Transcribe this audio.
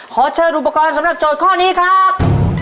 ขอเชิญอุปกรณ์สำหรับโจทย์ข้อนี้ครับ